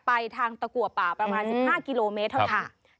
ไปทางตะกัวป่าประมาณ๑๕กิโลเมตรเท่านั้น